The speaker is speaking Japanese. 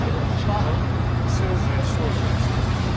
ませいぜい精進するんだな。